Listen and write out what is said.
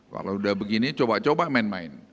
kalau sudah begini coba coba main main